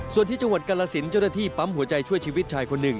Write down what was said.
ส่วนที่จังหวัดกาลสินเจ้าหน้าที่ปั๊มหัวใจช่วยชีวิตชายคนหนึ่ง